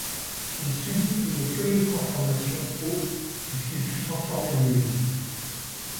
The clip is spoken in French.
Il subit une curieuse transformation au puisqu'il fut transformé en église.